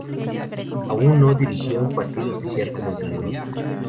Aun no dirigió un partido oficial como entrenador.